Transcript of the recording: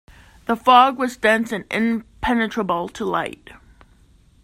The fog was dense and impenetrable to light.